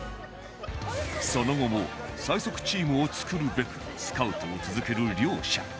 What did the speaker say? その後も最速チームを作るべくスカウトを続ける両者